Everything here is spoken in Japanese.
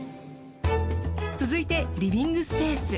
続いてリビングスペース。